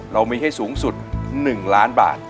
เรามีให้สูงสุด๑ล้านบาท